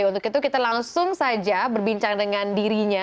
untuk itu kita langsung saja berbincang dengan dirinya